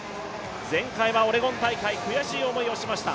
前回はオレゴン大会、悔しい思いをしました。